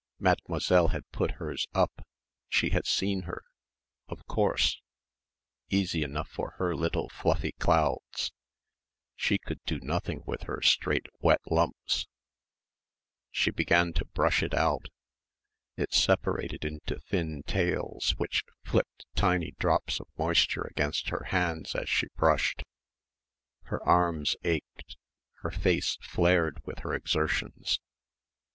Mademoiselle had put hers up she had seen her ... of course ... easy enough for her little fluffy clouds she could do nothing with her straight, wet lumps she began to brush it out it separated into thin tails which flipped tiny drops of moisture against her hands as she brushed. Her arms ached; her face flared with her exertions.